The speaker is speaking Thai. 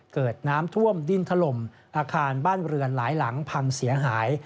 เกิดน้ำท่วมดินถล่มอาคารบ้านเรือนหลายหลังพังเสียหาย